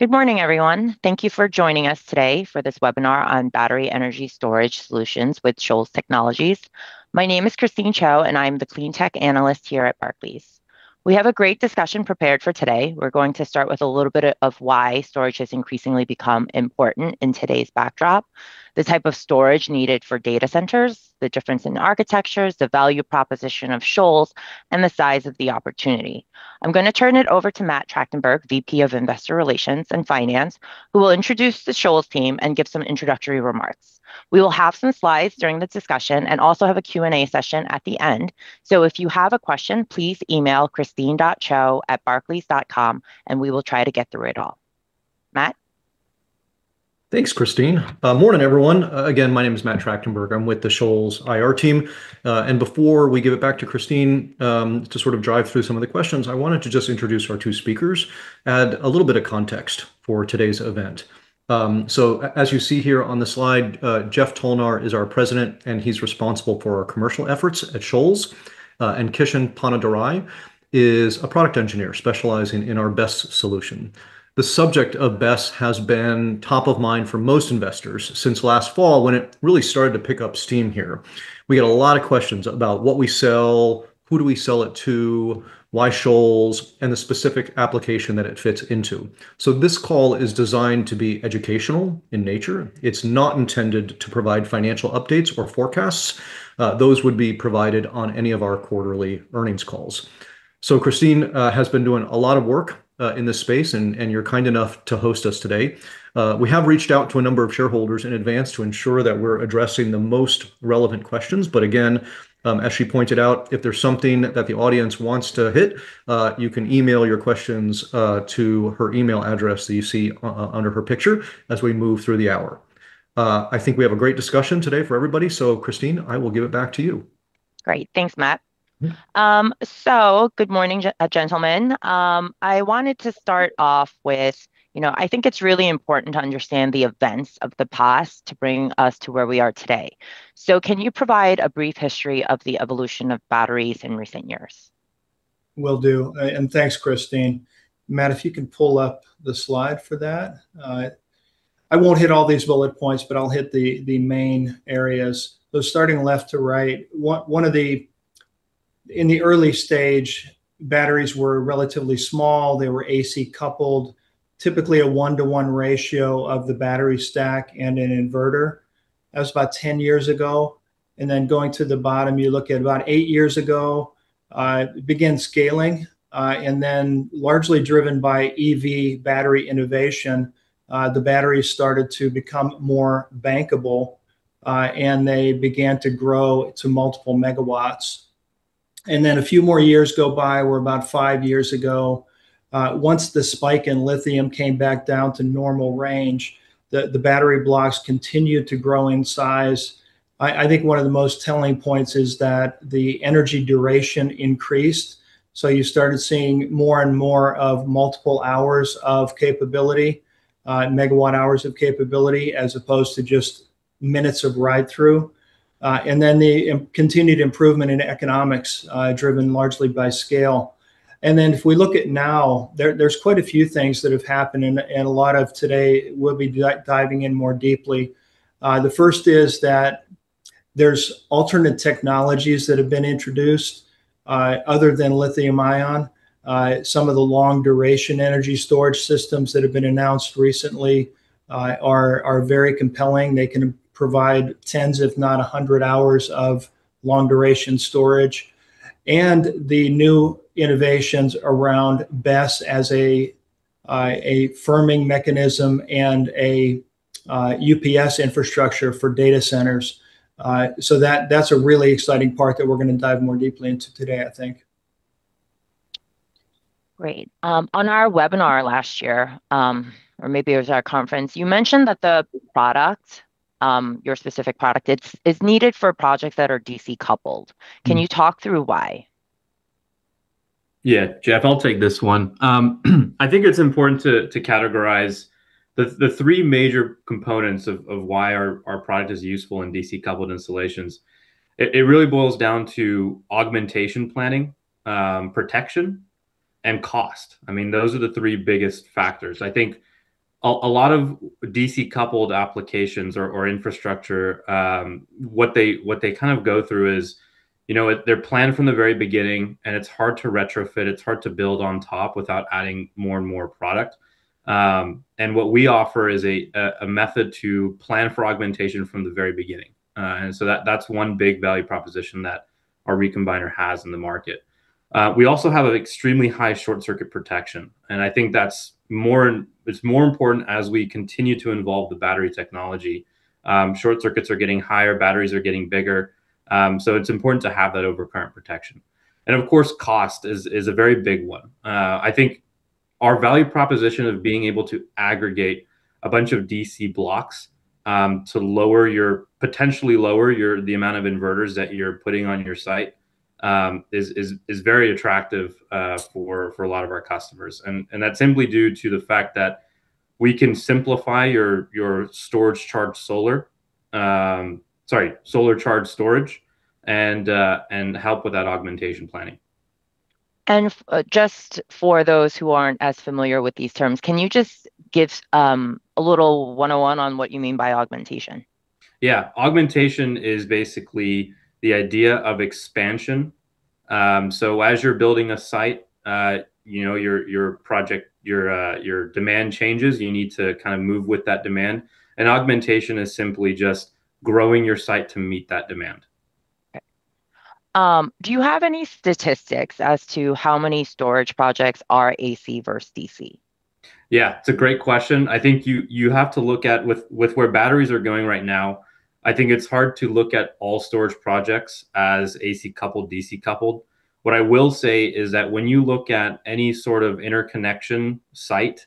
Good morning, everyone. Thank you for joining us today for this webinar on battery energy storage solutions with Shoals Technologies. My name is Christine Cho, and I'm the clean tech analyst here at Barclays. We have a great discussion prepared for today. We're going to start with a little bit of why storage has increasingly become important in today's backdrop, the type of storage needed for data centers, the difference in architectures, the value proposition of Shoals, and the size of the opportunity. I'm gonna turn it over to Matt Tractenberg, VP of Investor Relations and Finance, who will introduce the Shoals team and give some introductory remarks. We will have some slides during the discussion and also have a Q&A session at the end. If you have a question, please email christine.cho@barclays.com and we will try to get through it all. Matt? Thanks, Christine. Morning, everyone. Again, my name is Matt Trachtenberg. I'm with the Shoals IR team. Before we give it back to Christine, to sort of drive through some of the questions, I wanted to just introduce our two speakers, add a little bit of context for today's event. As you see here on the slide, Jeff Tolnar is our President, and he's responsible for our commercial efforts at Shoals. Kishan Ponnadurai is a product engineer specializing in our BESS solution. The subject of BESS has been top of mind for most investors since last fall when it really started to pick up steam here. We get a lot of questions about what we sell, who do we sell it to, why Shoals, and the specific application that it fits into. This call is designed to be educational in nature. It's not intended to provide financial updates or forecasts. Those would be provided on any of our quarterly earnings calls. Christine has been doing a lot of work in this space, and you're kind enough to host us today. We have reached out to a number of shareholders in advance to ensure that we're addressing the most relevant questions, but again, as she pointed out, if there's something that the audience wants to hit, you can email your questions to her email address that you see under her picture as we move through the hour. I think we have a great discussion today for everybody. Christine, I will give it back to you. Great. Thanks, Matt. Mm-hmm. Good morning gentlemen. I wanted to start off with, you know, I think it's really important to understand the events of the past to bring us to where we are today. Can you provide a brief history of the evolution of batteries in recent years? Will do. Thanks, Christine. Matt, if you can pull up the slide for that. I won't hit all these bullet points, but I'll hit the main areas. Starting left to right, in the early stage, batteries were relatively small. They were AC coupled, typically a one-to-one ratio of the battery stack and an inverter. That was about 10 years ago. Going to the bottom, you look at about 8 years ago, began scaling. Largely driven by EV battery innovation, the batteries started to become more bankable, and they began to grow to multiple megawatts. A few more years go by, where about 5 years ago, once the spike in lithium came back down to normal range, the battery blocks continued to grow in size. I think one of the most telling points is that the energy duration increased, so you started seeing more and more of multiple hours of capability, megawatt hours of capability, as opposed to just minutes of ride through. Then the continued improvement in economics, driven largely by scale. If we look at it now, there's quite a few things that have happened and a lot of today we'll be diving in more deeply. The first is that there's alternative technologies that have been introduced, other than lithium-ion. Some of the long duration energy storage systems that have been announced recently are very compelling. They can provide tens if not 100 hours of long duration storage. The new innovations around BESS as a firming mechanism and a UPS infrastructure for data centers. That's a really exciting part that we're gonna dive more deeply into today, I think. Great. On our webinar last year, or maybe it was our conference, you mentioned that the product, your specific product, it's needed for projects that are DC coupled. Mm-hmm. Can you talk through why? Yeah. Jeff, I'll take this one. I think it's important to categorize the three major components of why our product is useful in DC coupled installations. It really boils down to augmentation planning, protection, and cost. I mean, those are the three biggest factors. I think a lot of DC coupled applications or infrastructure what they kind of go through is, you know, they're planned from the very beginning, and it's hard to retrofit, it's hard to build on top without adding more and more product. What we offer is a method to plan for augmentation from the very beginning. That's one big value proposition that our recombiner has in the market. We also have an extremely high short circuit protection, and I think it's more important as we continue to evolve the battery technology. Short circuits are getting higher, batteries are getting bigger, so it's important to have that overcurrent protection. Of course, cost is a very big one. I think our value proposition of being able to aggregate a bunch of DC blocks to potentially lower the amount of inverters that you're putting on your site is very attractive for a lot of our customers. That's simply due to the fact that we can simplify your solar charged storage and help with that augmentation planning. Just for those who aren't as familiar with these terms, can you just give a little 101 on what you mean by augmentation? Yeah. Augmentation is basically the idea of expansion. As you're building a site, you know, your project, your demand changes, you need to kind of move with that demand, and augmentation is simply just growing your site to meet that demand. Okay. Do you have any statistics as to how many storage projects are AC versus DC? Yeah, it's a great question. I think you have to look at with where batteries are going right now, I think it's hard to look at all storage projects as AC coupled/DC coupled. What I will say is that when you look at any sort of interconnection site,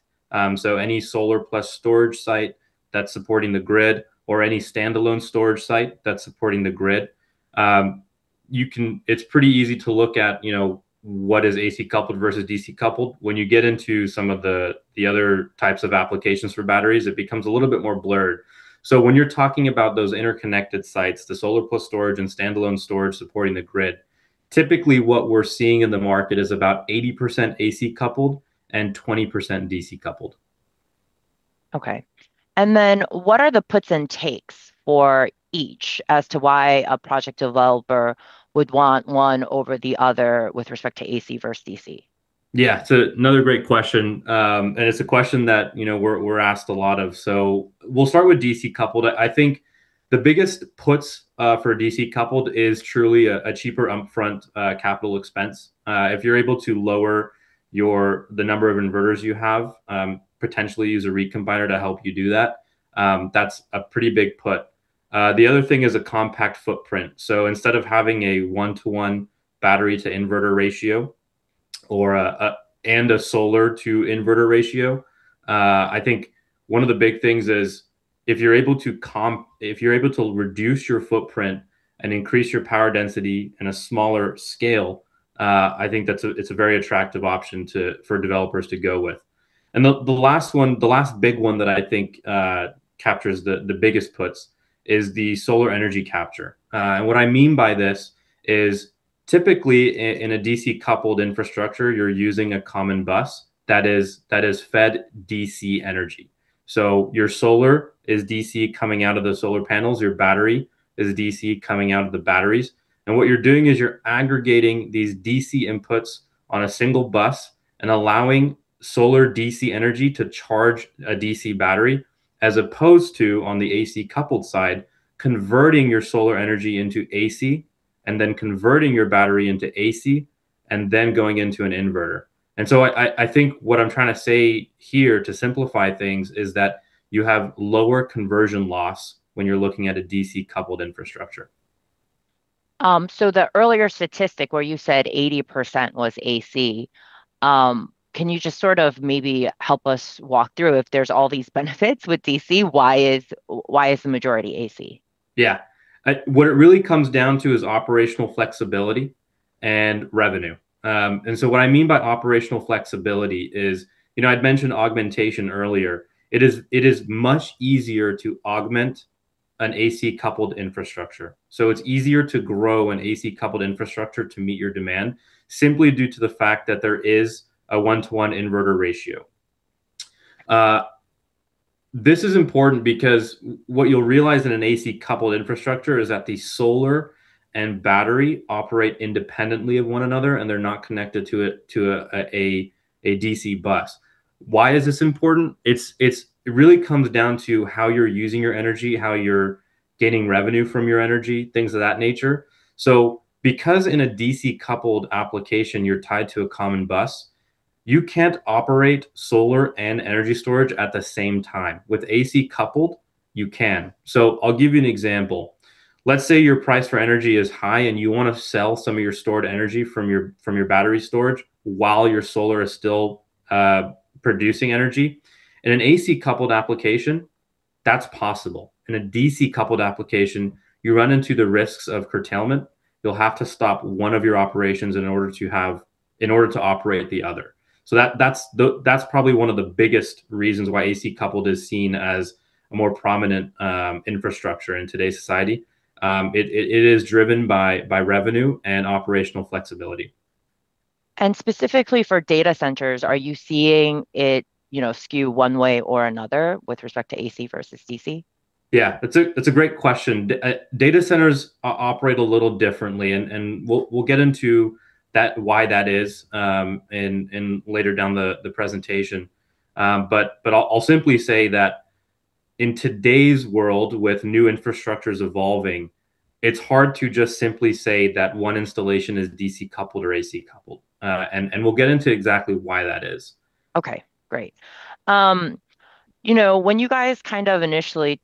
so any solar plus storage site that's supporting the grid, or any standalone storage site that's supporting the grid, you can. It's pretty easy to look at, you know, what is AC coupled versus DC coupled. When you get into some of the other types of applications for batteries, it becomes a little bit more blurred. So when you're talking about those interconnected sites, the solar plus storage and standalone storage supporting the grid, typically what we're seeing in the market is about 80% AC coupled and 20% DC coupled. Okay. What are the puts and takes for each as to why a project developer would want one over the other with respect to AC versus DC? Yeah. It's another great question. It's a question that, you know, we're asked a lot of. We'll start with DC coupled. I think the biggest pros for DC coupled is truly a cheaper upfront capital expense. If you're able to lower the number of inverters you have, potentially use a recombiner to help you do that's a pretty big pro. The other thing is a compact footprint. Instead of having a one-to-one battery to inverter ratio or a solar to inverter ratio, I think one of the big things is if you're able to reduce your footprint and increase your power density in a smaller scale, I think that's a very attractive option for developers to go with. The last big one that I think captures the biggest puts is the solar energy capture. What I mean by this is typically in a DC coupled infrastructure, you're using a common bus that is fed DC energy. So your solar is DC coming out of the solar panels, your battery is DC coming out of the batteries, and what you're doing is you're aggregating these DC inputs on a single bus and allowing solar DC energy to charge a DC battery, as opposed to on the AC coupled side, converting your solar energy into AC and then converting your battery into AC and then going into an inverter. I think what I'm trying to say here, to simplify things, is that you have lower conversion loss when you're looking at a DC coupled infrastructure. The earlier statistic where you said 80% was AC, can you just sort of maybe help us walk through if there's all these benefits with DC, why is the majority AC? Yeah. What it really comes down to is operational flexibility and revenue. What I mean by operational flexibility is, you know, I'd mentioned augmentation earlier. It is much easier to augment an AC coupled infrastructure. It's easier to grow an AC coupled infrastructure to meet your demand simply due to the fact that there is a one-to-one inverter ratio. This is important because what you'll realize in an AC coupled infrastructure is that the solar and battery operate independently of one another, and they're not connected to a DC bus. Why is this important? It really comes down to how you're using your energy, how you're gaining revenue from your energy, things of that nature. Because in a DC coupled application you're tied to a common bus, you can't operate solar and energy storage at the same time. With AC coupled, you can. I'll give you an example. Let's say your price for energy is high and you wanna sell some of your stored energy from your battery storage while your solar is still producing energy. In an AC coupled application, that's possible. In a DC coupled application, you run into the risks of curtailment. You'll have to stop one of your operations in order to operate the other. That's probably one of the biggest reasons why AC coupled is seen as a more prominent infrastructure in today's society. It is driven by revenue and operational flexibility. Specifically for data centers, are you seeing it, you know, skew one way or another with respect to AC versus DC? It's a great question. Data centers operate a little differently and we'll get into that, why that is, later in the presentation. I'll simply say that in today's world with new infrastructures evolving, it's hard to just simply say that one installation is DC coupled or AC coupled. We'll get into exactly why that is. Okay, great. You know, when you guys kind of initially,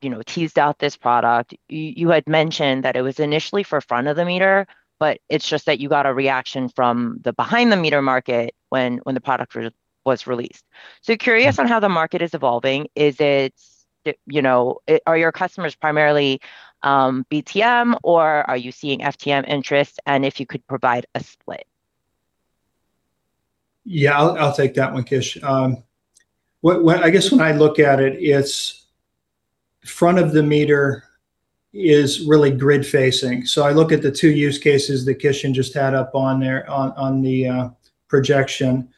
you know, teased out this product, you had mentioned that it was initially for front of the meter, but it's just that you got a reaction from the behind the meter market when the product was released. Yeah. I'm curious on how the market is evolving. Is it, you know, are your customers primarily BTM or are you seeing FTM interest? If you could provide a split. Yeah, I'll take that one, Kishan. I guess when I look at it's front of the meter is really grid facing. I look at the two use cases that Kishan just had up on the projection.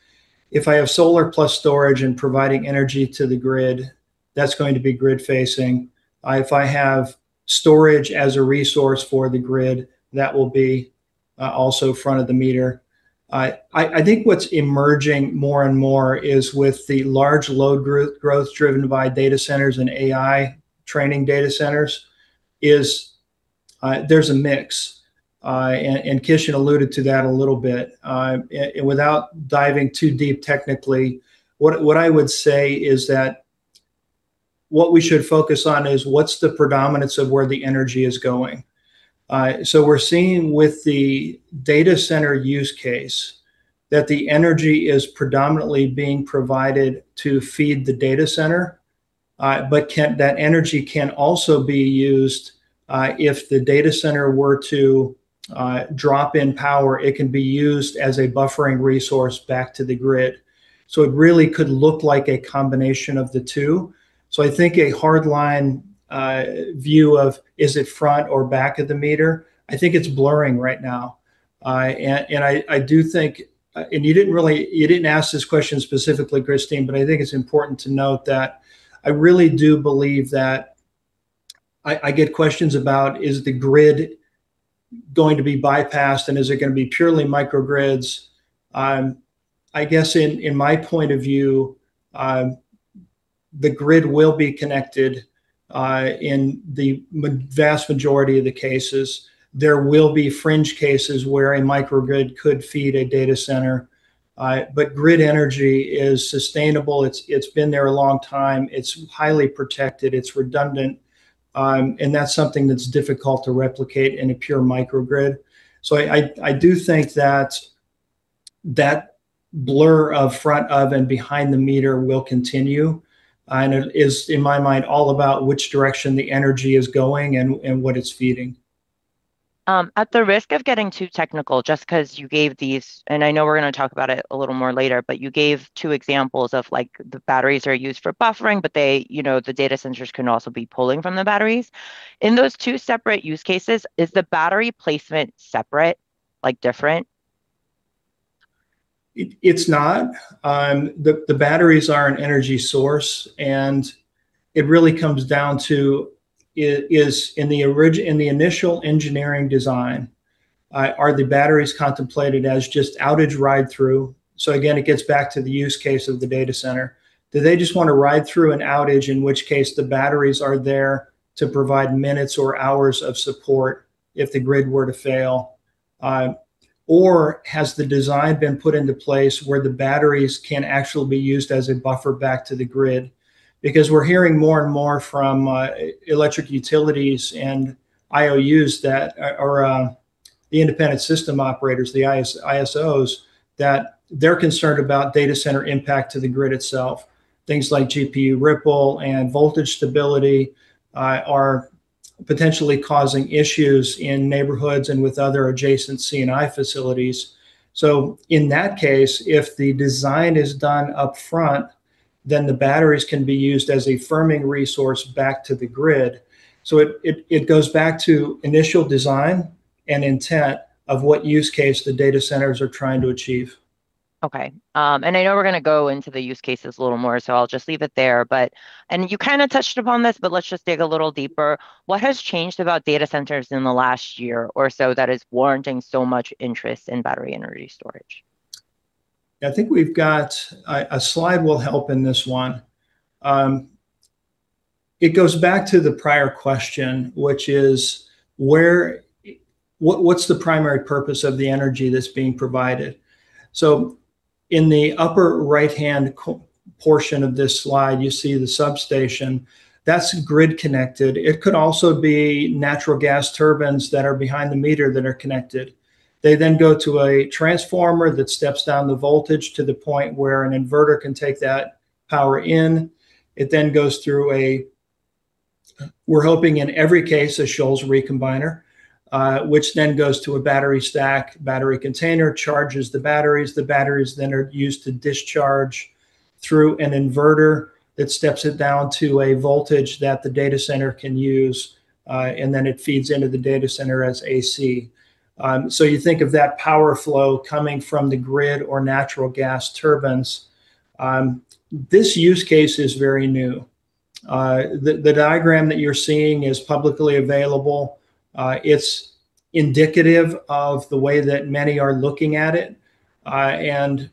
If I have solar plus storage and providing energy to the grid, that's going to be grid facing. If I have storage as a resource for the grid, that will be also front of the meter. I think what's emerging more and more is with the large load growth driven by data centers and AI training data centers, there's a mix. Kishan alluded to that a little bit. Without diving too deep technically, what I would say is that what we should focus on is what's the predominance of where the energy is going. We're seeing with the data center use case that the energy is predominantly being provided to feed the data center, but that energy can also be used, if the data center were to drop in power, it can be used as a buffering resource back to the grid. It really could look like a combination of the two. I think a hard line view of is it front or back of the meter, I think it's blurring right now. I do think. You didn't ask this question specifically, Christine, but I think it's important to note that I really do believe that I get questions about is the grid going to be bypassed and is it gonna be purely microgrids? I guess in my point of view, the grid will be connected in the vast majority of the cases. There will be fringe cases where a microgrid could feed a data center, but grid energy is sustainable. It's been there a long time. It's highly protected, it's redundant, and that's something that's difficult to replicate in a pure microgrid. I do think that blur of front of the meter and behind the meter will continue, and it is, in my mind, all about which direction the energy is going and what it's feeding. At the risk of getting too technical, just 'cause you gave these, and I know we're gonna talk about it a little more later, but you gave two examples of, like, the batteries are used for buffering, but they, you know, the data centers can also be pulling from the batteries. In those two separate use cases, is the battery placement separate, like, different? It's not. The batteries are an energy source, and it really comes down to is in the initial engineering design, are the batteries contemplated as just outage ride through? It gets back to the use case of the data center. Do they just wanna ride through an outage, in which case the batteries are there to provide minutes or hours of support if the grid were to fail? Or has the design been put into place where the batteries can actually be used as a buffer back to the grid? Because we're hearing more and more from electric utilities and IOUs, the independent system operators, the ISOs, that they're concerned about data center impact to the grid itself. Things like GPU ripple and voltage stability are potentially causing issues in neighborhoods and with other adjacent C&I facilities. In that case, if the design is done upfront, then the batteries can be used as a firming resource back to the grid. It goes back to initial design and intent of what use case the data centers are trying to achieve. Okay. I know we're gonna go into the use cases a little more, so I'll just leave it there. You kinda touched upon this, but let's just dig a little deeper. What has changed about data centers in the last year or so that is warranting so much interest in battery energy storage? I think a slide will help in this one. It goes back to the prior question, which is what is the primary purpose of the energy that's being provided. In the upper right-hand corner of this slide, you see the substation. That's grid connected. It could also be natural gas turbines that are behind the meter that are connected. They then go to a transformer that steps down the voltage to the point where an inverter can take that power in. It then goes through, we're hoping in every case, a Shoals recombiner, which then goes to a battery stack, battery container, charges the batteries. The batteries then are used to discharge through an inverter that steps it down to a voltage that the data center can use, and then it feeds into the data center as AC. You think of that power flow coming from the grid or natural gas turbines. This use case is very new. The diagram that you're seeing is publicly available. It's indicative of the way that many are looking at it. And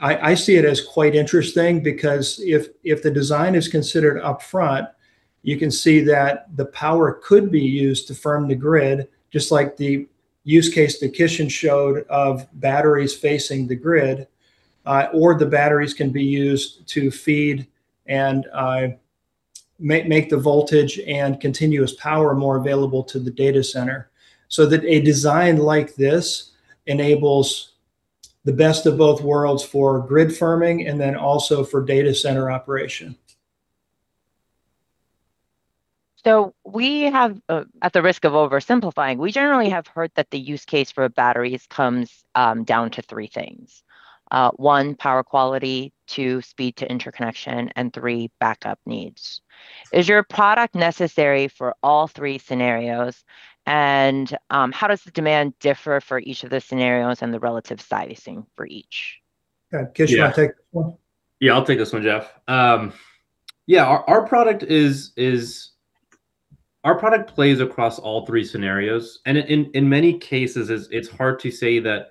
I see it as quite interesting because if the design is considered upfront, you can see that the power could be used to firm the grid, just like the use case that Kishan showed of batteries facing the grid, or the batteries can be used to feed and make the voltage and continuous power more available to the data center, so that a design like this enables the best of both worlds for grid firming and then also for data center operation. We have, at the risk of oversimplifying, we generally have heard that the use case for batteries comes down to three things. One, power quality, two, speed to interconnection, and three, backup needs. Is your product necessary for all three scenarios, and how does the demand differ for each of the scenarios and the relative sizing for each? Yeah. Kish, you wanna take this one? Yeah, I'll take this one, Jeff. Yeah, our product plays across all three scenarios, and in many cases it's hard to say that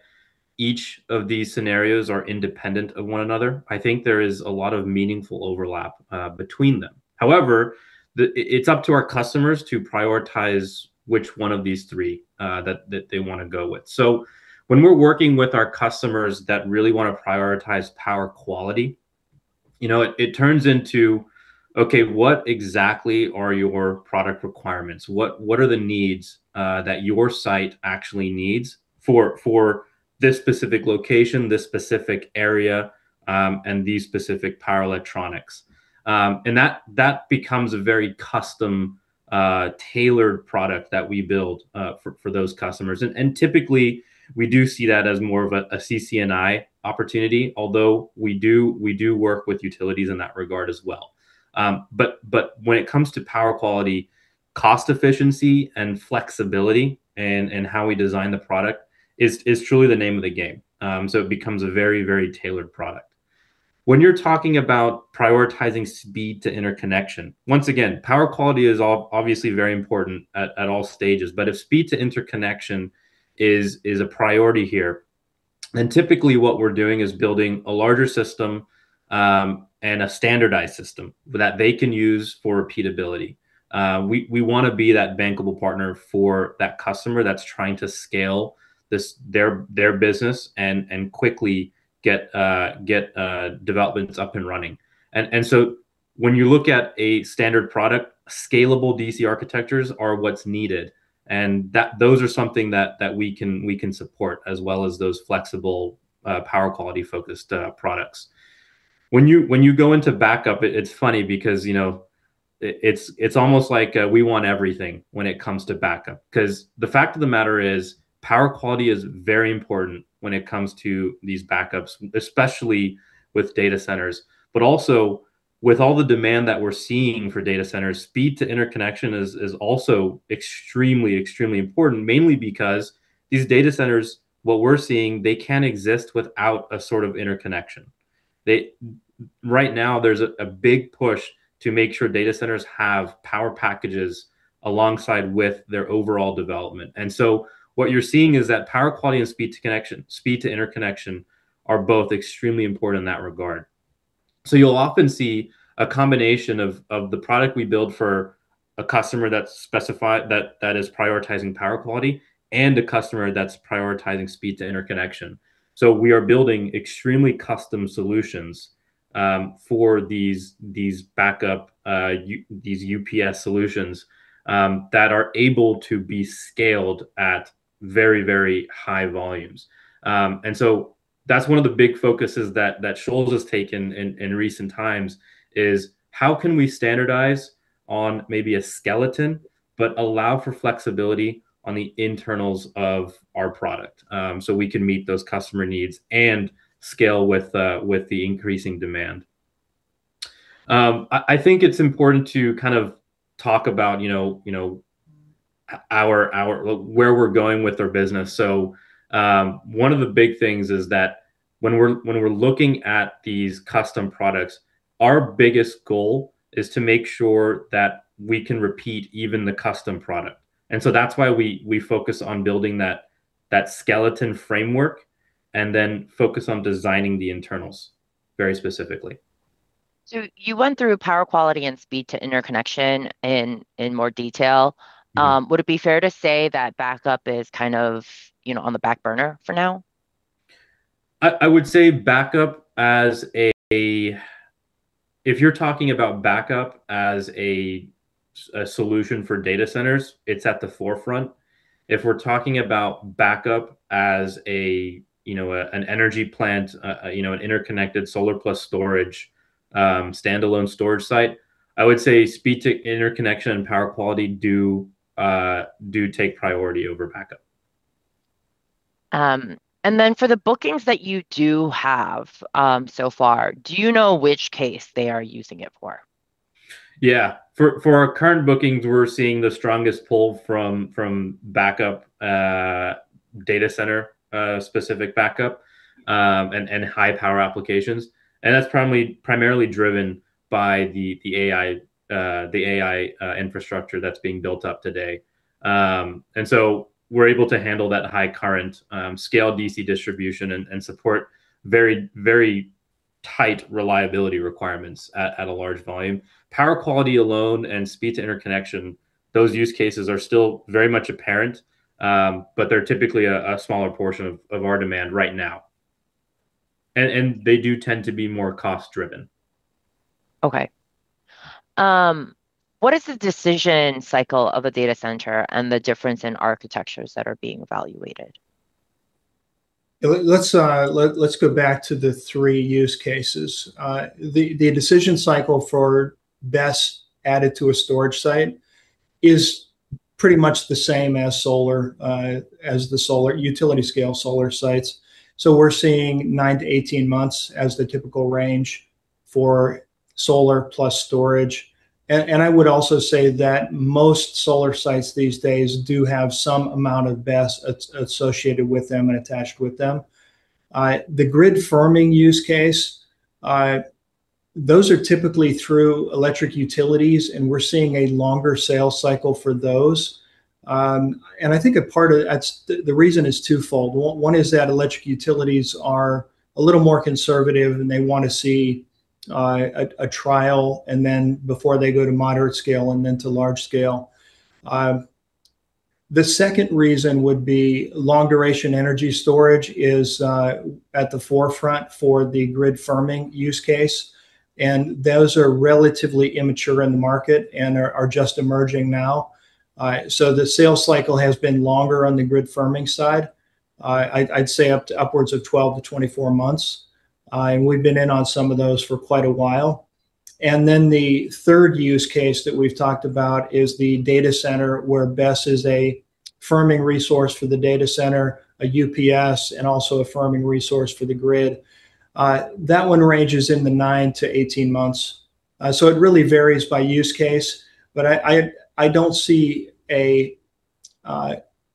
each of these scenarios are independent of one another. I think there is a lot of meaningful overlap between them. However, it's up to our customers to prioritize which one of these three that they wanna go with. When we're working with our customers that really wanna prioritize power quality, you know, it turns into, okay, what exactly are your product requirements? What are the needs that your site actually needs for this specific location, this specific area, and these specific power electronics? And that becomes a very custom tailored product that we build for those customers. Typically we do see that as more of a C&I opportunity, although we do work with utilities in that regard as well. When it comes to power quality, cost efficiency and flexibility in how we design the product is truly the name of the game. It becomes a very tailored product. When you're talking about prioritizing speed to interconnection, once again, power quality is obviously very important at all stages, but if speed to interconnection is a priority here, then typically what we're doing is building a larger system and a standardized system that they can use for repeatability. We wanna be that bankable partner for that customer that's trying to scale this, their business and quickly get developments up and running. When you look at a standard product, scalable DC architectures are what's needed, and those are something that we can support as well as those flexible, power quality focused, products. When you go into backup, it's funny because, you know, it's almost like we want everything when it comes to backup. 'Cause the fact of the matter is power quality is very important when it comes to these backups, especially with data centers. Also with all the demand that we're seeing for data centers, speed to interconnection is also extremely important, mainly because these data centers, what we're seeing, they can't exist without a sort of interconnection. Right now there's a big push to make sure data centers have power packages alongside with their overall development. What you're seeing is that power quality and speed to connection, speed to interconnection are both extremely important in that regard. You'll often see a combination of the product we build for a customer that's prioritizing power quality, and a customer that's prioritizing speed to interconnection. We are building extremely custom solutions for these backup UPS solutions that are able to be scaled at very high volumes. That's one of the big focuses that Shoals has taken in recent times is, how can we standardize on maybe a skeleton, but allow for flexibility on the internals of our product, so we can meet those customer needs and scale with the increasing demand? I think it's important to kind of talk about, you know, where we're going with our business. One of the big things is that when we're looking at these custom products, our biggest goal is to make sure that we can repeat even the custom product. That's why we focus on building that skeleton framework, and then focus on designing the internals very specifically. You went through power quality and speed to interconnection in more detail. Mm-hmm. Would it be fair to say that backup is kind of, you know, on the back burner for now? I would say backup as a. If you're talking about backup as a solution for data centers, it's at the forefront. If we're talking about backup as a you know an energy plant you know an interconnected solar plus storage standalone storage site, I would say speed to interconnection and power quality do take priority over backup. For the bookings that you do have, so far, do you know which case they are using it for? Yeah. For our current bookings, we're seeing the strongest pull from backup data center specific backup and high power applications, and that's primarily driven by the AI infrastructure that's being built up today. We're able to handle that high current scale DC distribution and support very tight reliability requirements at a large volume. Power quality, along with speed to interconnection, those use cases are still very much apparent, but they're typically a smaller portion of our demand right now. They do tend to be more cost-driven. Okay. What is the decision cycle of a data center and the difference in architectures that are being evaluated? Let's go back to the three use cases. The decision cycle for BESS added to a storage site is pretty much the same as solar, as the solar utility-scale solar sites. We're seeing 9-18 months as the typical range for solar plus storage. I would also say that most solar sites these days do have some amount of BESS associated with them and attached with them. The grid firming use case, those are typically through electric utilities, and we're seeing a longer sales cycle for those. I think a part of that's. The reason is twofold. One is that electric utilities are a little more conservative, and they wanna see a trial, and then before they go to moderate scale and then to large scale. The second reason would be long duration energy storage is at the forefront for the grid firming use case, and those are relatively immature in the market and are just emerging now. The sales cycle has been longer on the grid firming side. I'd say up to upwards of 12-24 months. We've been in on some of those for quite a while. Then the third use case that we've talked about is the data center, where BESS is a firming resource for the data center, a UPS, and also a firming resource for the grid. That one ranges in the 9-18 months. It really varies by use case, but I don't see a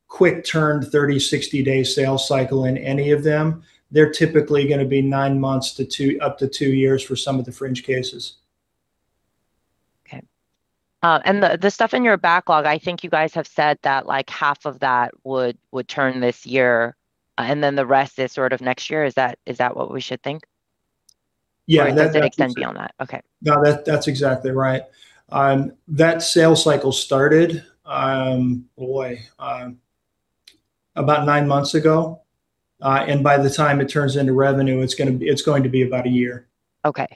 quick turn 30-60-day sales cycle in any of them. They're typically gonna be 9 months to 2, up to 2 years for some of the fringe cases. Okay. The stuff in your backlog, I think you guys have said that, like, half of that would turn this year, and then the rest is sort of next year. Is that what we should think? Yeah, that. Does it extend beyond that? Okay. No, that's exactly right. That sales cycle started about nine months ago. By the time it turns into revenue, it's going to be about a year. Okay.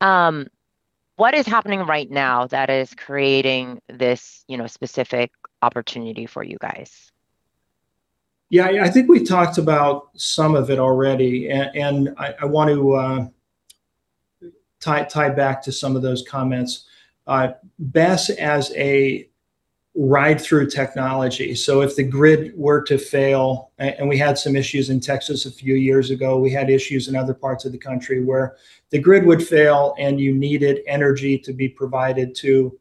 What is happening right now that is creating this, you know, specific opportunity for you guys? Yeah. I think we've talked about some of it already, and I want to tie back to some of those comments. BESS as a ride-through technology if the grid were to fail and we had some issues in Texas a few years ago, we had issues in other parts of the country where the grid would fail, and you needed energy to be provided to,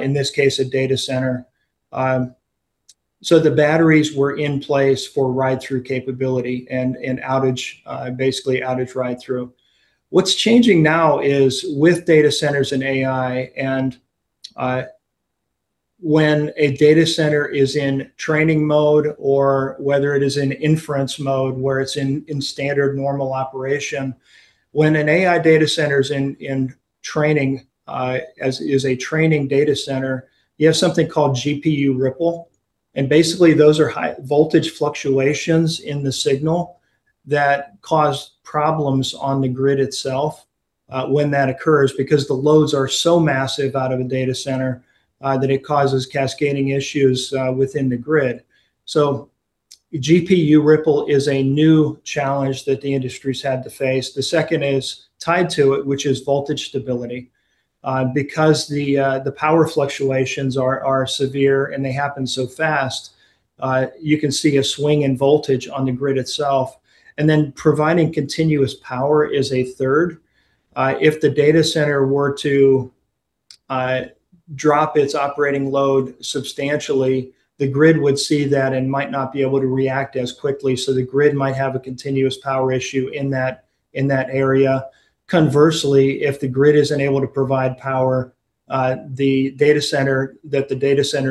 in this case, a data center. The batteries were in place for ride-through capability and outage, basically outage ride-through. What's changing now is with data centers and AI, and when a data center is in training mode or whether it is in inference mode, where it's in standard normal operation, when an AI data center's in training, as in a training data center, you have something called GPU ripple. Basically those are high voltage fluctuations in the signal that cause problems on the grid itself, when that occurs, because the loads are so massive out of a data center, that it causes cascading issues within the grid. GPU ripple is a new challenge that the industry's had to face. The second is tied to it, which is voltage stability. Because the power fluctuations are severe, and they happen so fast, you can see a swing in voltage on the grid itself. Providing continuous power is a third. If the data center were to drop its operating load substantially, the grid would see that and might not be able to react as quickly, so the grid might have a continuous power issue in that area. Conversely, if the grid isn't able to provide the power that the data center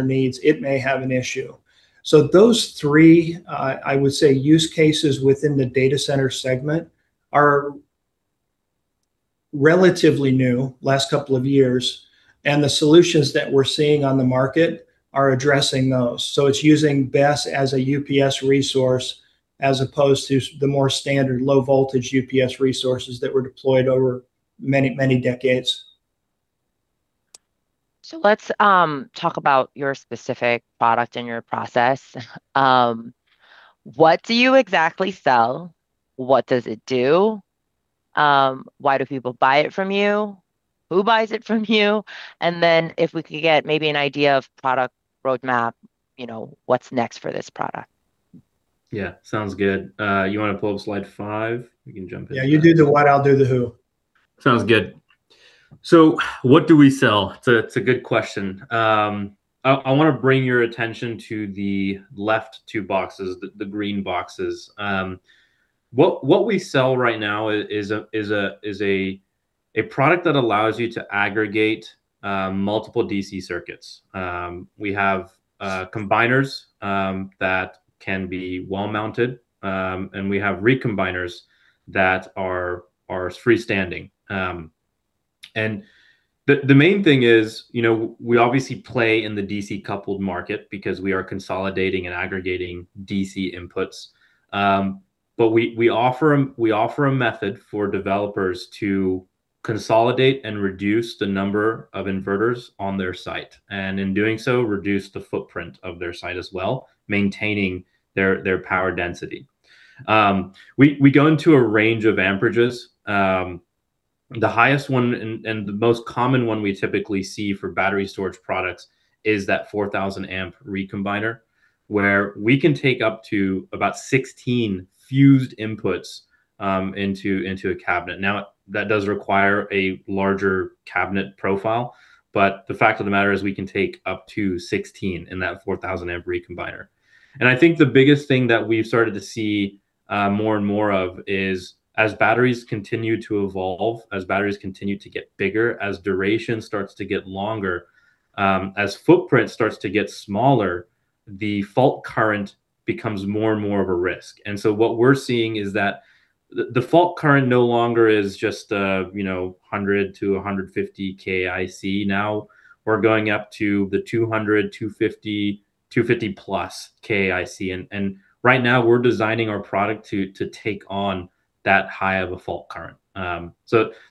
needs, it may have an issue. Those three, I would say use cases within the data center segment are relatively new, last couple of years, and the solutions that we're seeing on the market are addressing those. It's using BESS as a UPS resource as opposed to the more standard low voltage UPS resources that were deployed over many, many decades. Let's talk about your specific product and your process. What do you exactly sell? What does it do? Why do people buy it from you? Who buys it from you? If we could get maybe an idea of product roadmap, you know, what's next for this product? Yeah. Sounds good. You wanna pull up slide five? We can jump into that. Yeah, you do the what, I'll do the who. Sounds good. What do we sell? It's a good question. I wanna bring your attention to the left two boxes, the green boxes. What we sell right now is a product that allows you to aggregate multiple DC circuits. We have combiners that can be wall-mounted, and we have recombiners that are freestanding. The main thing is, you know, we obviously play in the DC-coupled market because we are consolidating and aggregating DC inputs. We offer a method for developers to consolidate and reduce the number of inverters on their site, and in doing so, reduce the footprint of their site as well, maintaining their power density. We go into a range of amperages. The highest one and the most common one we typically see for battery storage products is that 4000-amp recombiner where we can take up to about 16 fused inputs into a cabinet. Now, that does require a larger cabinet profile, but the fact of the matter is we can take up to 16 in that 4000-amp recombiner. I think the biggest thing that we've started to see more and more of is as batteries continue to evolve, as batteries continue to get bigger, as duration starts to get longer, as footprint starts to get smaller, the fault current becomes more and more of a risk. What we're seeing is that the fault current no longer is just, you know, 100-150 kAIC. Now we're going up to the 200, 250+ kAIC and right now we're designing our product to take on that high of a fault current.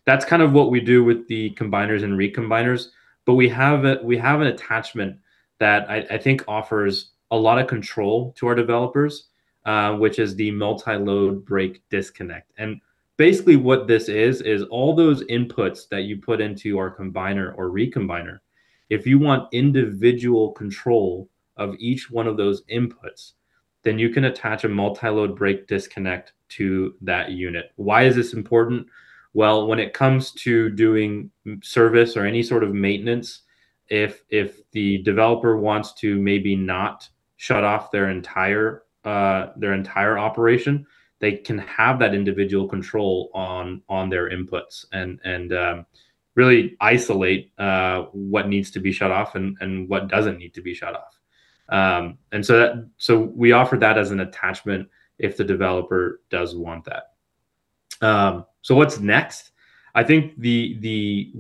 That's kind of what we do with the combiners and recombiners, but we have an attachment that I think offers a lot of control to our developers, which is the Multiple Load-Break Disconnect. Basically what this is is all those inputs that you put into our combiner or recombiner, if you want individual control of each one of those inputs, then you can attach a Multiple Load-Break Disconnect to that unit. Why is this important? Well, when it comes to doing service or any sort of maintenance, if the developer wants to maybe not shut off their entire operation, they can have that individual control on their inputs and really isolate what needs to be shut off and what doesn't need to be shut off. We offer that as an attachment if the developer does want that. What's next? I think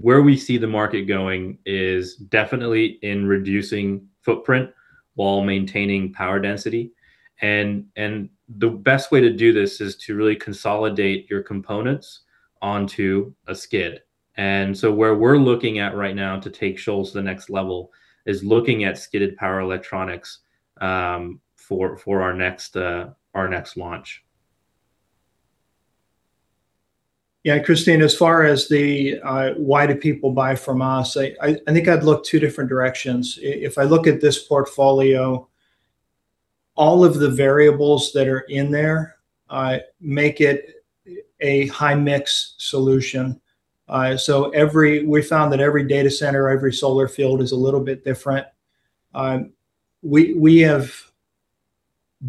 where we see the market going is definitely in reducing footprint while maintaining power density. The best way to do this is to really consolidate your components onto a skid. Where we're looking at right now to take Shoals to the next level is looking at skidded power electronics for our next launch. Yeah, Christine, as far as the why do people buy from us, I think I'd look two different directions. If I look at this portfolio, all of the variables that are in there make it a high mix solution. We found that every data center, every solar field is a little bit different. We have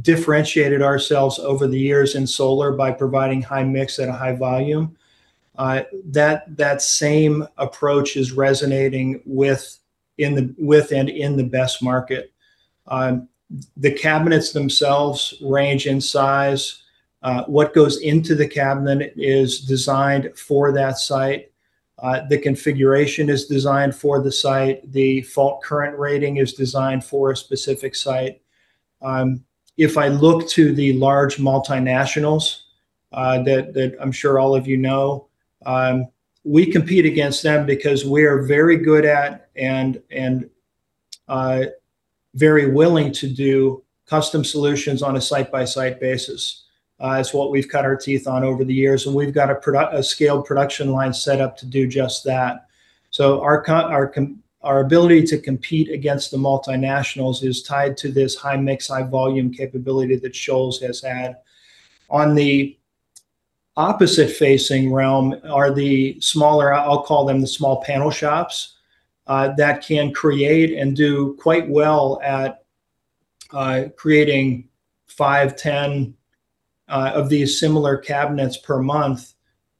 differentiated ourselves over the years in solar by providing high mix at a high volume. That same approach is resonating within the BESS market. The cabinets themselves range in size. What goes into the cabinet is designed for that site. The configuration is designed for the site. The fault current rating is designed for a specific site. If I look to the large multinationals that I'm sure all of you know, we compete against them because we're very good at and very willing to do custom solutions on a site-by-site basis. It's what we've cut our teeth on over the years, and we've got a scaled production line set up to do just that. Our ability to compete against the multinationals is tied to this high mix, high volume capability that Shoals has had. On the opposite facing realm are the smaller, I'll call them the small panel shops that can create and do quite well at creating 5, 10 of these similar cabinets per month.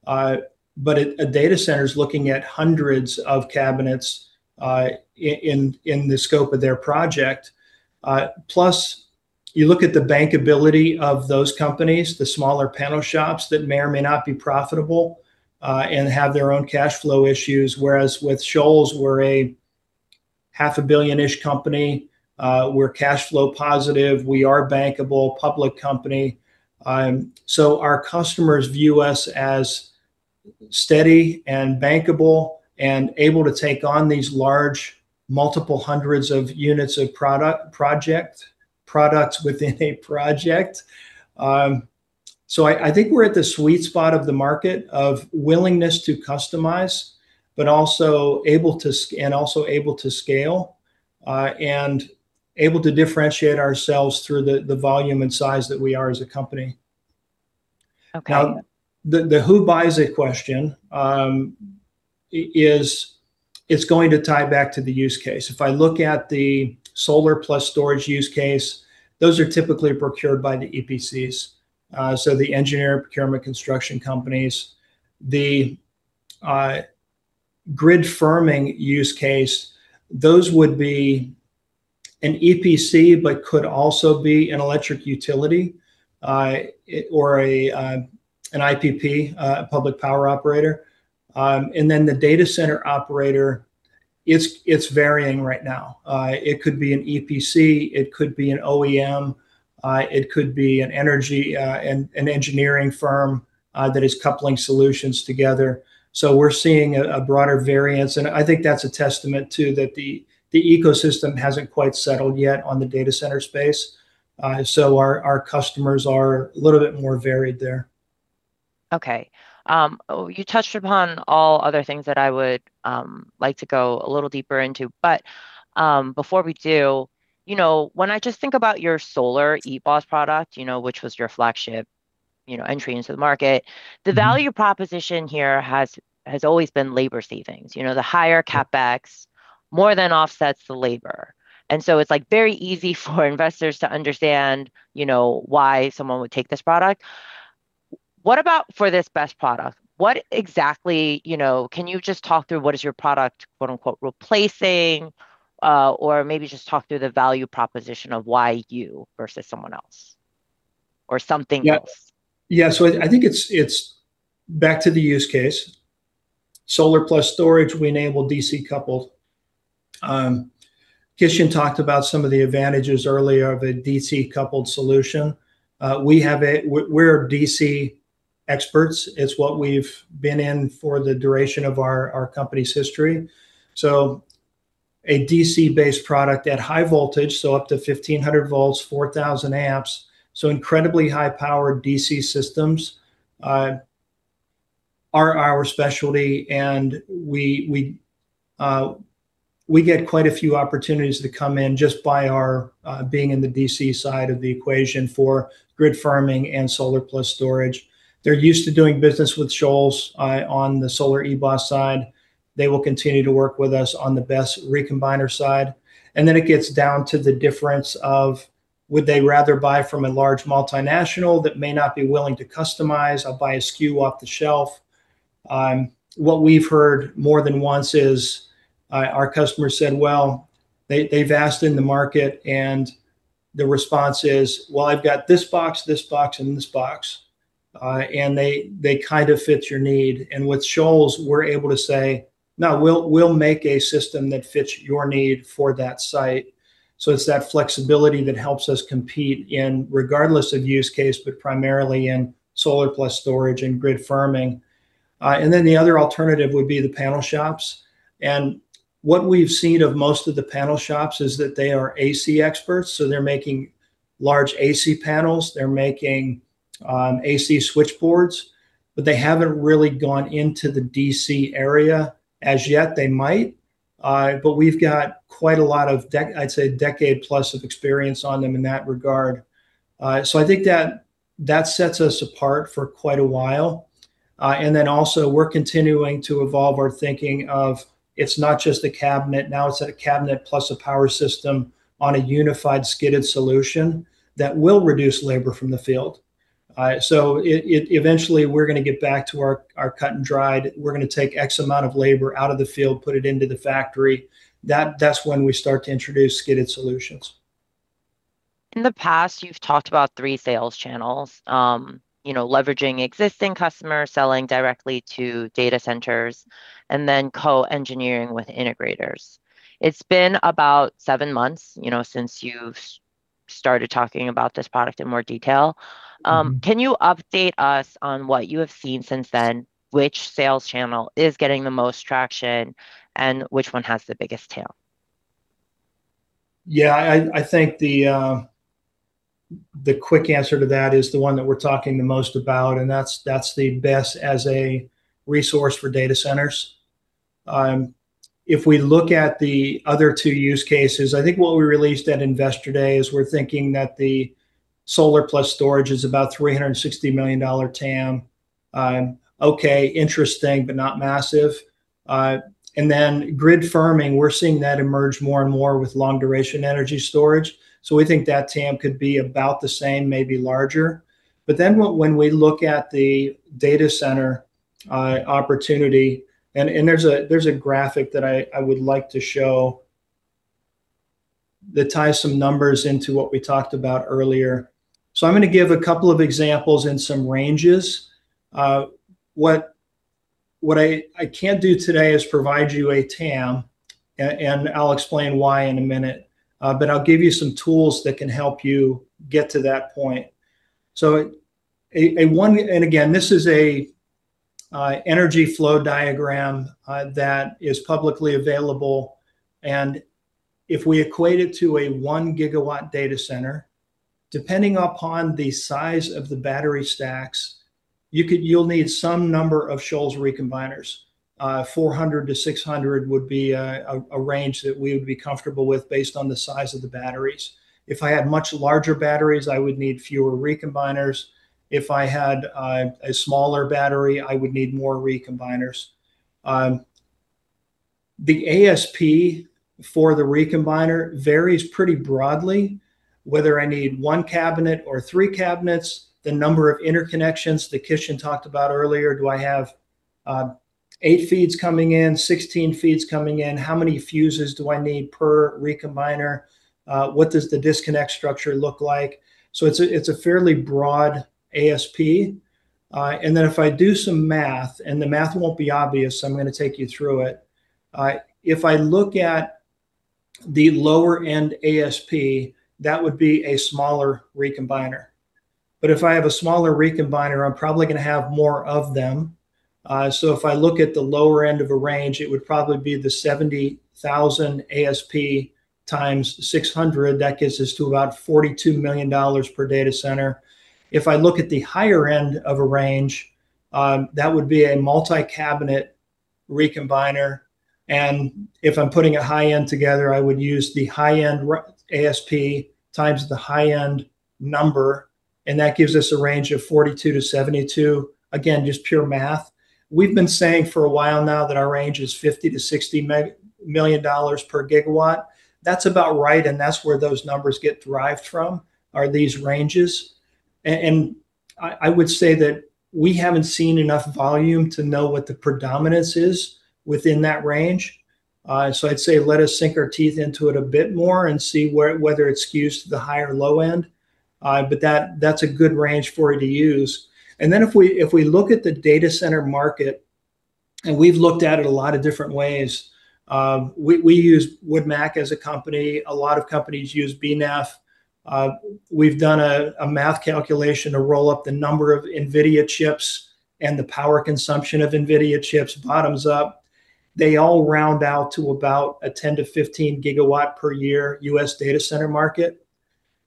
A data center's looking at hundreds of cabinets in the scope of their project. You look at the bankability of those companies, the smaller panel shops that may or may not be profitable, and have their own cash flow issues, whereas with Shoals, we're a half a billion-ish company. We're cash flow positive. We are bankable, public company. Our customers view us as steady and bankable and able to take on these large, multiple hundreds of units of products within a project. I think we're at the sweet spot of the market of willingness to customize, but also able to scale, and able to differentiate ourselves through the volume and size that we are as a company. Okay. Now, the who buys it question is going to tie back to the use case. If I look at the solar plus storage use case, those are typically procured by the EPCs, so the engineering, procurement, and construction companies. The grid firming use case, those would be an EPC but could also be an electric utility or an IPP, public power operator. The data center operator. It's varying right now. It could be an EPC, it could be an OEM, it could be an energy and an engineering firm that is coupling solutions together. We're seeing a broader variance, and I think that's a testament to the ecosystem hasn't quite settled yet on the data center space. Our customers are a little bit more varied there. Okay. Oh, you touched upon all other things that I would like to go a little deeper into. Before we do, you know, when I just think about your solar EBOS product, you know, which was your flagship, you know, entry into the market. Mm-hmm. The value proposition here has always been labor savings. You know, the higher CapEx more than offsets the labor, and so it's like very easy for investors to understand, you know, why someone would take this product. What about for this BESS product? What exactly, you know? Can you just talk through what is your product, quote unquote, "replacing," or maybe just talk through the value proposition of why you versus someone else or something else? I think it's back to the use case. Solar plus storage, we enable DC coupled. Kishan talked about some of the advantages earlier of a DC coupled solution. We have a—we're DC experts. It's what we've been in for the duration of our company's history. A DC based product at high voltage, up to 1500 volts, 4000 amps, incredibly high powered DC systems are our specialty. We get quite a few opportunities to come in just by our being in the DC side of the equation for grid firming and solar plus storage. They're used to doing business with Shoals on the solar EBOS side. They will continue to work with us on the BESS recombiner side. It gets down to the difference of, would they rather buy from a large multinational that may not be willing to customize or buy a SKU off the shelf? What we've heard more than once is, our customer said, well, they've asked in the market, and the response is, "Well, I've got this box, this box and this box, and they kind of fit your need." With Shoals, we're able to say, "No, we'll make a system that fits your need for that site." It's that flexibility that helps us compete in, regardless of use case, but primarily in solar plus storage and grid firming. The other alternative would be the panel shops. What we've seen of most of the panel shops is that they are AC experts, so they're making large AC panels, they're making AC switchboards, but they haven't really gone into the DC area as yet. They might, but we've got quite a lot of decade plus of experience on them in that regard. I think that sets us apart for quite a while. We're continuing to evolve our thinking of, it's not just a cabinet, now it's a cabinet plus a power system on a unified skidded solution that will reduce labor from the field. Eventually, we're gonna get back to our cut and dried. We're gonna take X amount of labor out of the field, put it into the factory. That's when we start to introduce skidded solutions. In the past, you've talked about three sales channels. You know, leveraging existing customers, selling directly to data centers, and then co-engineering with integrators. It's been about seven months, you know, since you've started talking about this product in more detail. Mm-hmm. Can you update us on what you have seen since then? Which sales channel is getting the most traction, and which one has the biggest tail? Yeah. I think the quick answer to that is the one that we're talking the most about, and that's the BESS as a resource for data centers. If we look at the other two use cases, I think what we released at Investor Day is we're thinking that the solar plus storage is about $360 million TAM. Okay, interesting, but not massive. Then grid firming, we're seeing that emerge more and more with long duration energy storage, so we think that TAM could be about the same, maybe larger. When we look at the data center opportunity, and there's a graphic that I would like to show that ties some numbers into what we talked about earlier. I'm gonna give a couple of examples and some ranges. What I can't do today is provide you a TAM, and I'll explain why in a minute. I'll give you some tools that can help you get to that point. Again, this is an energy flow diagram that is publicly available, and if we equate it to a 1 gigawatt data center, depending upon the size of the battery stacks, you'll need some number of Shoals recombiners. 400-600 would be a range that we would be comfortable with based on the size of the batteries. If I had much larger batteries, I would need fewer recombiners. If I had a smaller battery, I would need more recombiners. The ASP for the recombiner varies pretty broadly, whether I need 1 cabinet or 3 cabinets, the number of interconnections that Kishan talked about earlier. Do I have 8 feeds coming in, 16 feeds coming in? How many fuses do I need per recombiner? What does the disconnect structure look like? It's a fairly broad ASP. If I do some math, and the math won't be obvious, so I'm gonna take you through it. If I look at the lower end ASP, that would be a smaller recombiner. If I have a smaller recombiner, I'm probably gonna have more of them. If I look at the lower end of a range, it would probably be the $70,000 ASP × 600. That gets us to about $42 million per data center. If I look at the higher end of a range, that would be a multi-cabinet recombiner. If I'm putting a high-end together, I would use the high-end ASP times the high-end number, and that gives us a range of $42 million-$72 million. Again, just pure math. We've been saying for a while now that our range is $50 million-$60 million per gigawatt. That's about right, and that's where those numbers get derived from, are these ranges. I would say that we haven't seen enough volume to know what the predominance is within that range. I'd say let us sink our teeth into it a bit more and see whether it skews to the high or low end. That's a good range for you to use. If we look at the data center market, and we've looked at it a lot of different ways, we use WoodMac as a company. A lot of companies use BNEF. We've done a math calculation to roll up the number of NVIDIA chips and the power consumption of NVIDIA chips bottoms up. They all round out to about a 10-15 gigawatts per year U.S. data center market.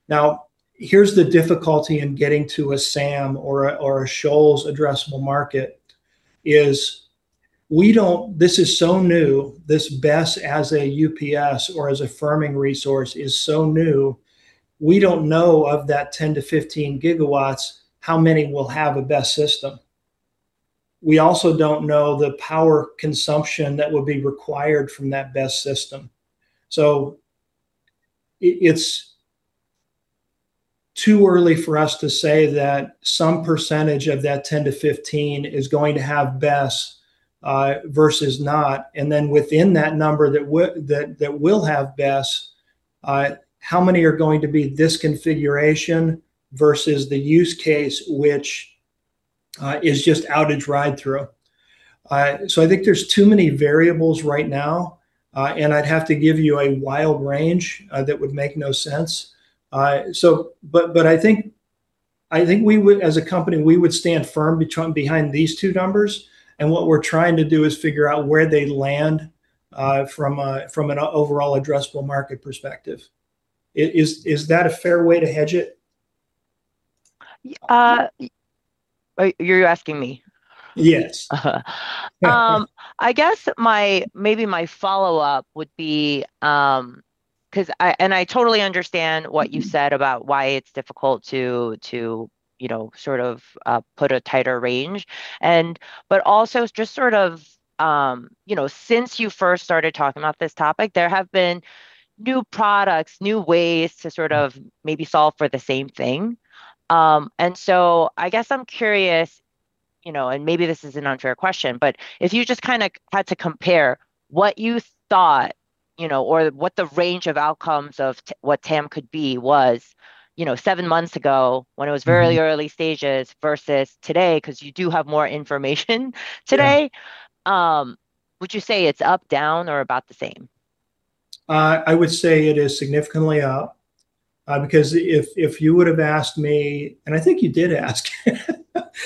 Now, here's the difficulty in getting to a SAM or a Shoals addressable market, is we don't. This is so new, this BESS as a UPS or as a firming resource is so new, we don't know of that 10-15 gigawatts how many will have a BESS system. We also don't know the power consumption that would be required from that BESS system. It's too early for us to say that some percentage of that 10-15 is going to have BESS versus not. Then within that number that will have BESS, how many are going to be this configuration versus the use case which is just outage ride-through. I think there's too many variables right now, and I'd have to give you a wild range that would make no sense. But I think we would, as a company, stand firm behind these two numbers, and what we're trying to do is figure out where they land from an overall addressable market perspective. Is that a fair way to hedge it? You're asking me? Yes. I guess maybe my follow-up would be, 'cause I totally understand what you said about why it's difficult to, you know, sort of, put a tighter range. But also just sort of, you know, since you first started talking about this topic, there have been new products, new ways to sort of maybe solve for the same thing. I guess I'm curious, you know, and maybe this is an unfair question, but if you just kinda had to compare what you thought, you know, or what the range of outcomes of what TAM could be was, you know, seven months ago when it was very early stages versus today, 'cause you do have more information today. Yeah. Would you say it's up, down, or about the same? I would say it is significantly up, because if you would have asked me, and I think you did ask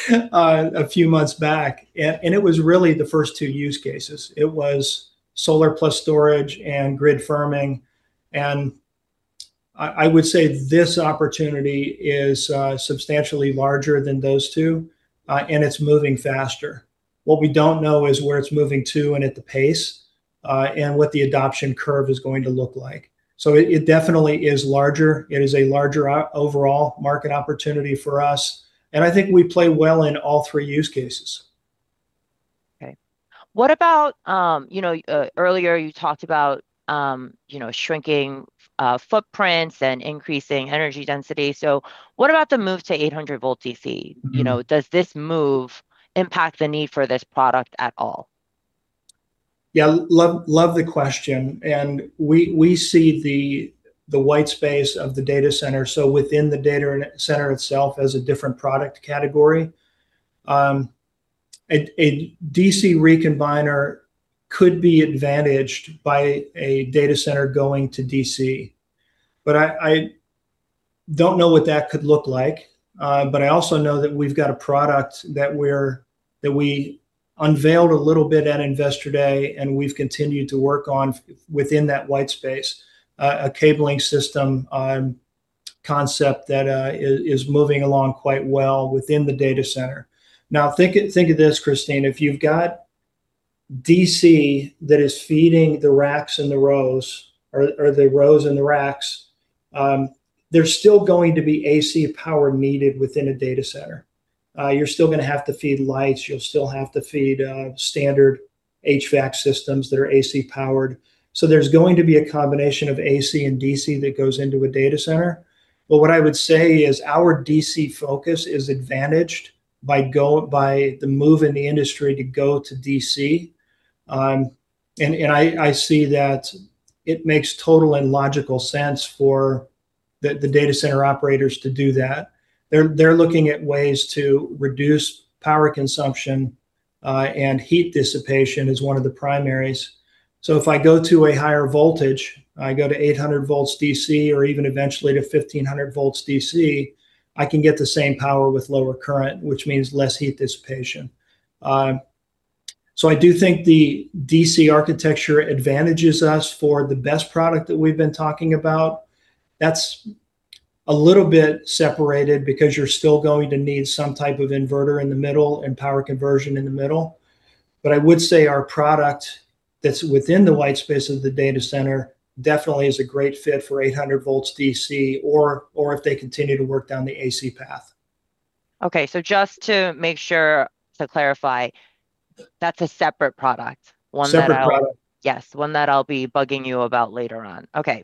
a few months back, and it was really the first two use cases. It was solar plus storage and grid firming, and I would say this opportunity is substantially larger than those two, and it's moving faster. What we don't know is where it's moving to and at the pace, and what the adoption curve is going to look like. It definitely is larger. It is a larger overall market opportunity for us, and I think we play well in all three use cases. Okay. What about, you know, earlier you talked about, you know, shrinking footprints and increasing energy density. What about the move to 800-volt DC? Mm-hmm. You know, does this move impact the need for this product at all? Yeah. Love the question. We see the white space of the data center, so within the data center itself as a different product category. A DC recombiner could be advantaged by a data center going to DC, but I don't know what that could look like. But I also know that we unveiled a little bit at Investor Day, and we've continued to work on within that white space, a cabling system concept that is moving along quite well within the data center. Now think of this, Christine. If you've got DC that is feeding the racks and the rows, or the rows and the racks, there's still going to be AC power needed within a data center. You're still gonna have to feed lights. You'll still have to feed standard HVAC systems that are AC powered. There's going to be a combination of AC and DC that goes into a data center. What I would say is our DC focus is advantaged by the move in the industry to go to DC. I see that it makes total and logical sense for the data center operators to do that. They're looking at ways to reduce power consumption, and heat dissipation is one of the primaries. If I go to a higher voltage, I go to 800 volts DC or even eventually to 1500 volts DC, I can get the same power with lower current, which means less heat dissipation. I do think the DC architecture advantages us for the BESS product that we've been talking about. That's a little bit separated because you're still going to need some type of inverter in the middle and power conversion in the middle. I would say our product that's within the white space of the data center definitely is a great fit for 800 volts DC or if they continue to work down the AC path. Okay. Just to make sure to clarify, that's a separate product, one that I'll- Separate product. Yes. One that I'll be bugging you about later on. Okay.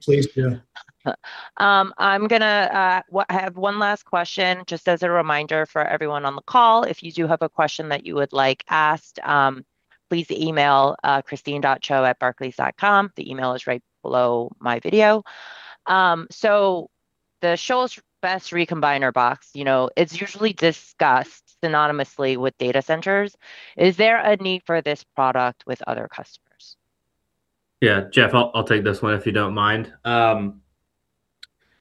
Please do. I have one last question. Just as a reminder for everyone on the call, if you do have a question that you would like asked, please email christine.cho@barclays.com. The email is right below my video. The Shoals BESS Recombiner box, you know, it's usually discussed synonymously with data centers. Is there a need for this product with other customers? Yeah. Jeff, I'll take this one if you don't mind.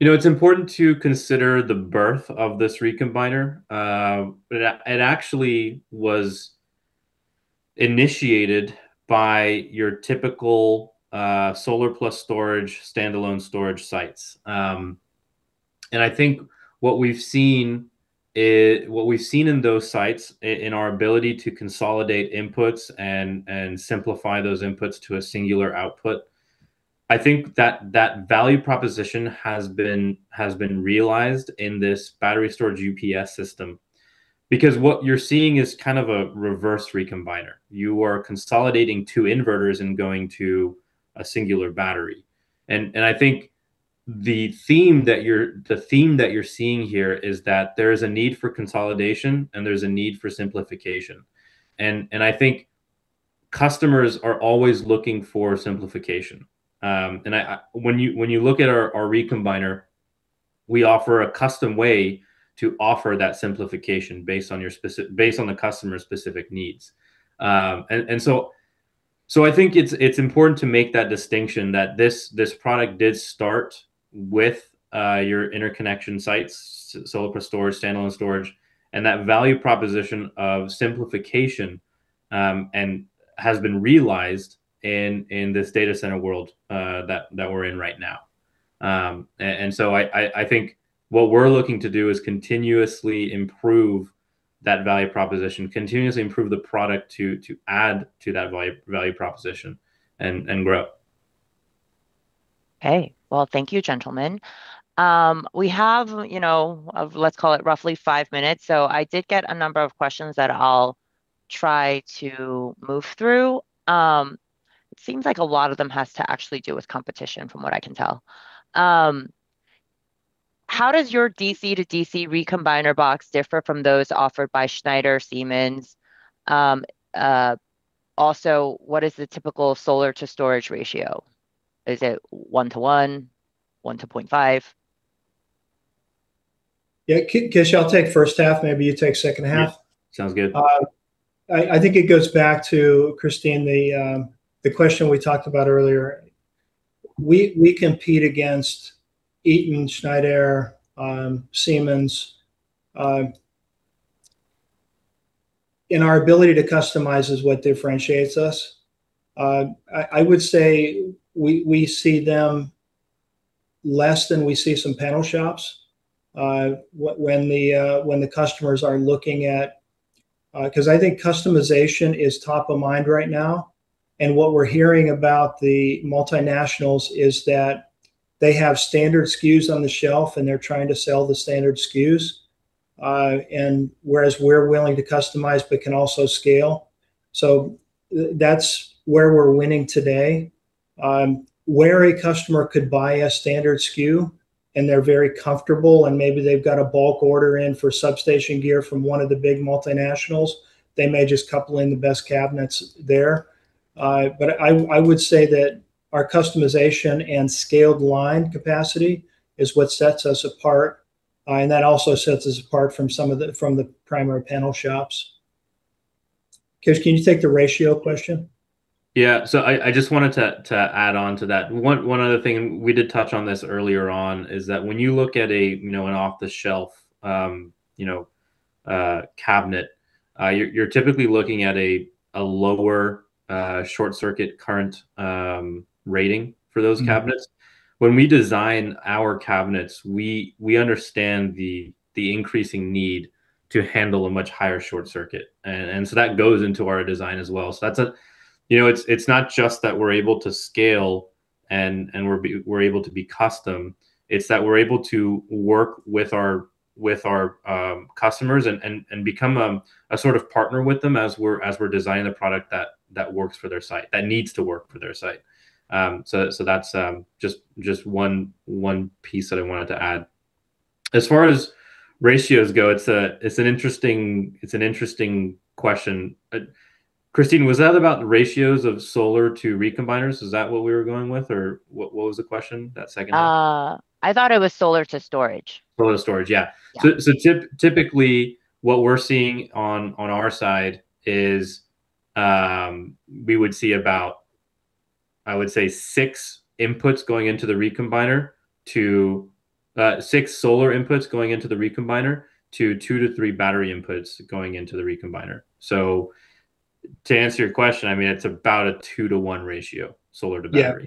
You know, it's important to consider the birth of this recombiner. But it actually was initiated by your typical solar plus storage, standalone storage sites. I think what we've seen in those sites in our ability to consolidate inputs and simplify those inputs to a singular output. I think that value proposition has been realized in this battery storage UPS system because what you're seeing is kind of a reverse recombiner. You are consolidating two inverters and going to a singular battery. I think the theme that you're seeing here is that there is a need for consolidation and there's a need for simplification. I think customers are always looking for simplification. When you look at our recombiner, we offer a custom way to offer that simplification based on the customer's specific needs. I think it's important to make that distinction that this product did start with your interconnection sites, solar plus storage, standalone storage, and that value proposition of simplification, and has been realized in this data center world that we're in right now. I think what we're looking to do is continuously improve that value proposition, continuously improve the product to add to that value proposition and grow. Okay. Well, thank you, gentlemen. We have, you know, let's call it roughly 5 minutes, so I did get a number of questions that I'll try to move through. It seems like a lot of them has to actually do with competition from what I can tell. How does your DC to DC recombiner box differ from those offered by Schneider, Siemens? Also, what is the typical solar to storage ratio? Is it 1 to 1 to 0.5? Yeah. Kishan, I'll take first half, maybe you take second half. Yeah. Sounds good. I think it goes back to Christine, the question we talked about earlier. We compete against Eaton, Schneider, Siemens. Our ability to customize is what differentiates us. I would say we see them less than we see some panel shops when the customers are looking at customization. 'Cause I think customization is top of mind right now, and what we're hearing about the multinationals is that they have standard SKUs on the shelf and they're trying to sell the standard SKUs. Whereas we're willing to customize but can also scale. That's where we're winning today. Where a customer could buy a standard SKU and they're very comfortable, and maybe they've got a bulk order in for substation gear from one of the big multinationals, they may just couple in the BESS cabinets there. But I would say that our customization and scaled line capacity is what sets us apart, and that also sets us apart from the primary panel shops. Kishan, can you take the ratio question? Yeah. I just wanted to add on to that. One other thing, and we did touch on this earlier on, is that when you look at a you know an off-the-shelf you know cabinet, you're typically looking at a lower short circuit current rating for those cabinets. Mm-hmm. When we design our cabinets, we understand the increasing need to handle a much higher short circuit. That goes into our design as well. You know, it's not just that we're able to scale and we're able to be custom. It's that we're able to work with our customers and become a sort of partner with them as we're designing a product that works for their site, that needs to work for their site. That's just one piece that I wanted to add. As far as ratios go, it's an interesting question. Christine, was that about the ratios of solar to recombiners? Is that what we were going with or what was the question, that second one? I thought it was solar to storage. Solar to storage, yeah. Yeah. Typically what we're seeing on our side is we would see about, I would say, 6 solar inputs going into the recombiner to 2 to 3 battery inputs going into the recombiner. To answer your question, I mean, it's about a 2:1 ratio, solar to battery.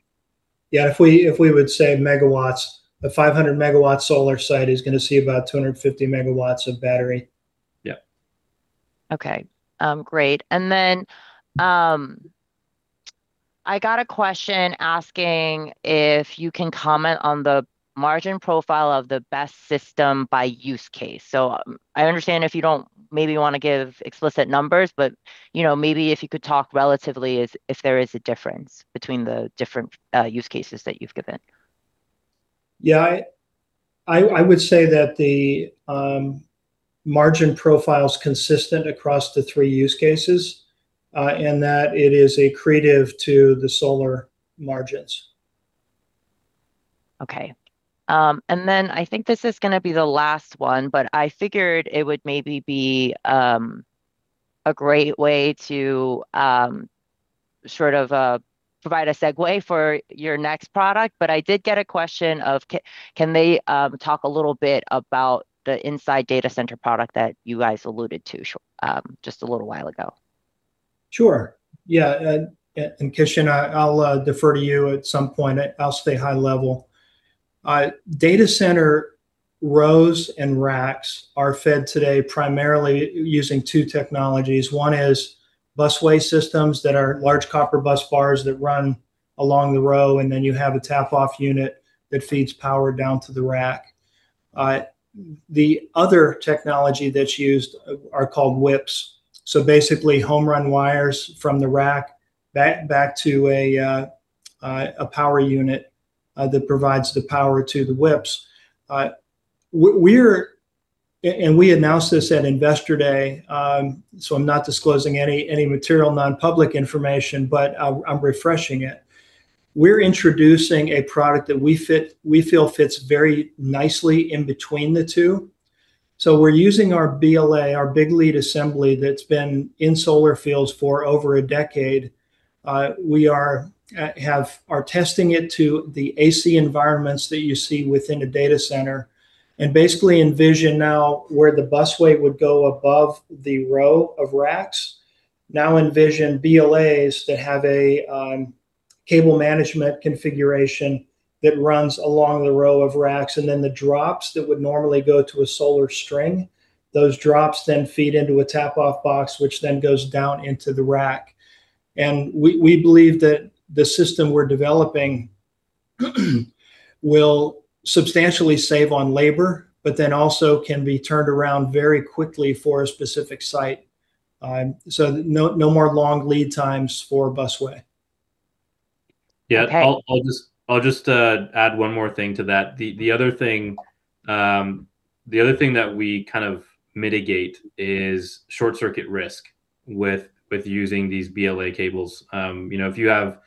Yeah, if we would say megawatts, a 500 MW solar site is gonna see about 250 MW of battery. Yeah. Okay. Great. I got a question asking if you can comment on the margin profile of the BESS system by use case. I understand if you don't maybe want to give explicit numbers, but you know, maybe if you could talk relatively as if there is a difference between the different use cases that you've given. Yeah. I would say that the margin profile's consistent across the three use cases, and that it is accretive to the solar margins. Okay. I think this is gonna be the last one, but I figured it would maybe be a great way to sort of provide a segue for your next product. I did get a question: can they talk a little bit about the inside data center product that you guys alluded to just a little while ago? Sure. Yeah. Kishan, I'll defer to you at some point. I'll stay high level. Data center rows and racks are fed today primarily using two technologies. One is busway systems that are large copper bus bars that run along the row, and then you have a tap off unit that feeds power down to the rack. The other technology that's used are called whips. So basically home run wires from the rack back to a power unit that provides the power to the whips. We announced this at Investor Day, so I'm not disclosing any material non-public information, but I'm refreshing it. We're introducing a product that we feel fits very nicely in between the two. We're using our BLA, our big lead assembly, that's been in solar fields for over a decade. We are testing it to the AC environments that you see within a data center and basically envision now where the busway would go above the row of racks, now envision BLAs that have a cable management configuration that runs along the row of racks. Then the drops that would normally go to a solar string, those drops then feed into a tap-off box, which then goes down into the rack. We believe that the system we're developing will substantially save on labor, but then also can be turned around very quickly for a specific site, so no more long lead times for busway. Okay. Yeah. I'll just add one more thing to that. The other thing that we kind of mitigate is short circuit risk with using these BLA cables. You know, if you have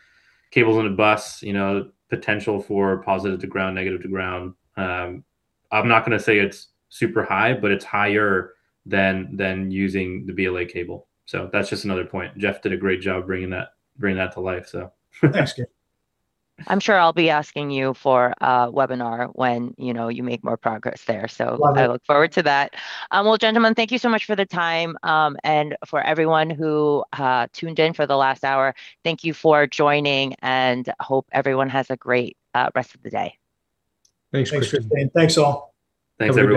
cables on a bus, you know, potential for positive to ground, negative to ground. I'm not gonna say it's super high, but it's higher than using the BLA cable. That's just another point. Jeff did a great job bringing that to life. Thanks, Kishan. I'm sure I'll be asking you for a webinar when, you know, you make more progress there. Love it. I look forward to that. Well, gentlemen, thank you so much for the time, and for everyone who tuned in for the last hour, thank you for joining and hope everyone has a great rest of the day. Thanks, Christine. Thanks, Christine. Thanks, all. Thanks, everybody.